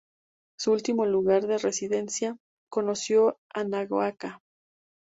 Su último lugar de residencia conocido es Nagaoka.